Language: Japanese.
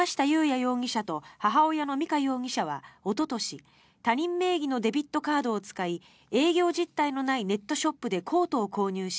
容疑者と母親の美香容疑者はおととし他人名義のデビットカードを使い営業実態のないネットショップでコートを購入し